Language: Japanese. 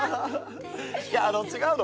いや違うの！